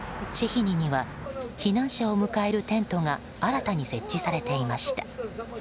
シェヒニには避難者を迎えるテントが新たに設置されていました。